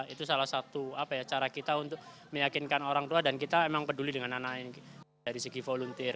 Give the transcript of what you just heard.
itu salah satu cara kita untuk meyakinkan orang tua dan kita emang peduli dengan anak dari segi volunteer